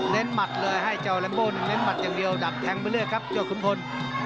เล็นมาดเลยให้เจ้าลัมโบนึงเล็นมาดอย่างเดียวดับแทงไปเรื่อยครับจุ๊ดขึ้นคน